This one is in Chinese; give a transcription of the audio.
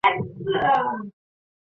先到公车站就赶快上车